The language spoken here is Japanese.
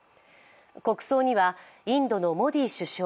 国葬にはインドのモディ首相